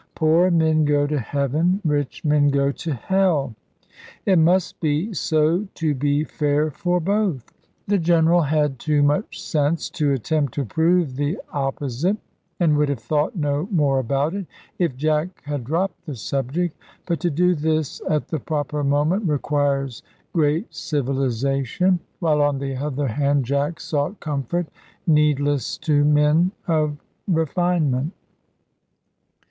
Poor men go to heaven, rich men go to hell. It must be so to be fair for both." The General had too much sense to attempt to prove the opposite, and would have thought no more about it, if Jack had dropped the subject. But to do this at the proper moment requires great civilisation; while on the other hand Jack sought comfort, needless to men of refinement.